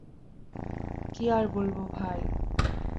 কী আর বলব ভাই!